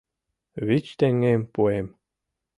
Вич теҥгем пуэм.